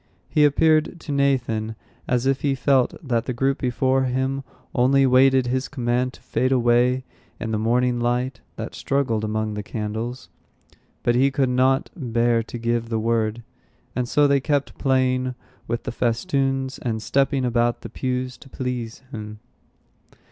He appeared to Nathan as if he felt that the group before him only waited his command to fade away in the morning light that struggled among the candles, but he could not bear to give the word; and so they kept playing with the festoons, and stepping about the pews to please him.